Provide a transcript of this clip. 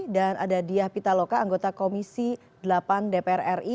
dan ada diah pitaloka anggota komisi delapan dpr ri